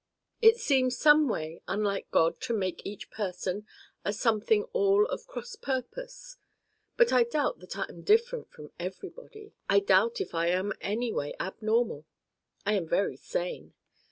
It seems someway unlike God to make each person a something all of cross purpose. But I doubt that I am different from Everybody. I doubt if I am anyway abnormal. I am very sane.